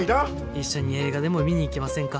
一緒に映画でも見に行きませんか？